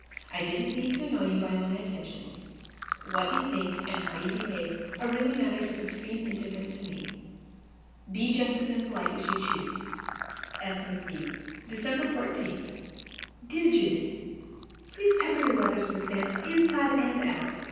I didn't mean to annoy you by my attentions. What you think and how you behave are really matters of extreme indifference to me. Be just as impolite as you choose. S. McB. December 14. Dear Judy: PLEASE pepper your letters with stamps, inside and out.